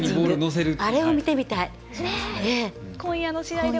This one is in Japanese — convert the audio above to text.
あれを見てみたい。